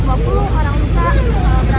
tapi sudah lama